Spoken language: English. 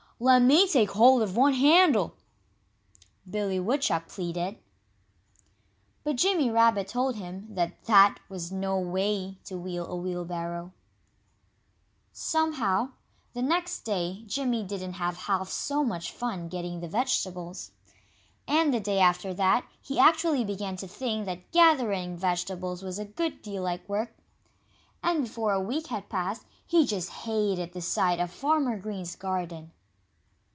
"Let me take hold of one handle!" Billy Woodchuck pleaded. But Jimmy Rabbit told him that that was no way to wheel a wheelbarrow. Somehow, the next day Jimmy didn't have half so much fun getting the vegetables. And the day after that he actually began to think that gathering vegetables was a good deal like work. And before a week had passed he just hated the sight of Farmer Green's garden.